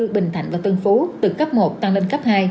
bình thạnh và tân phú từ cấp một tăng lên cấp hai